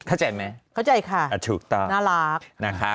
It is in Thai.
เข้าใจไหมถูกต้องเข้าใจค่ะน่ารัก